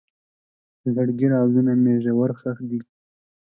د زړګي رازونه مې ژور ښخ دي.